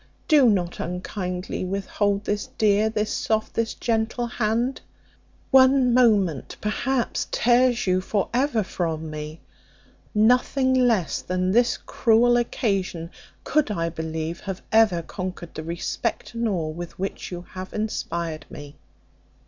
Do not unkindly withhold this dear, this soft, this gentle hand one moment, perhaps, tears you for ever from me nothing less than this cruel occasion could, I believe, have ever conquered the respect and awe with which you have inspired me."